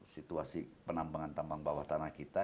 situasi penambangan tambang bawah tanah kita